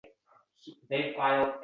Uni tortib olib chiqishadi